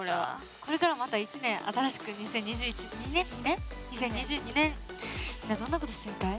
これからまた一年新しく２０２２年みんなどんなことしてみたい？